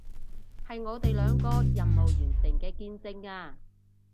係我哋兩個任務完成嘅見證啊